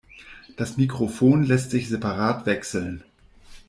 Das Mikrofon lässt sich separat wechseln.